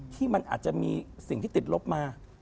ที่มันอาจจะมีสิ่งที่ติดลบมา